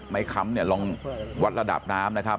ค้ำเนี่ยลองวัดระดับน้ำนะครับ